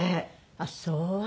あっそう。